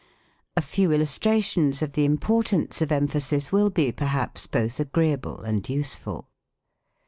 A few illustrations of the importance of emphasis will be, perhaps, both agreeable and useful.